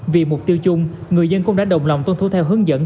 vì mục tiêu chung người dân cũng đã đồng lòng tuân thủ theo hướng dẫn